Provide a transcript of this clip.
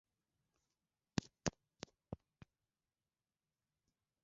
Silaha za jeshi zinashukiwa kuangukia kwenye mikono ya kundi lenye sifa mbaya